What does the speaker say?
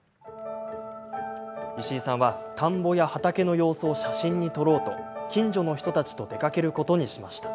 石井さんは、田んぼや畑の様子を写真に撮ろうと近所の人たちと出かけることにしました。